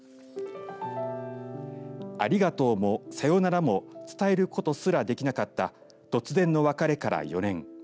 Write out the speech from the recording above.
ありがとうもさようならも伝えることすらできなかった突然の別れから４年。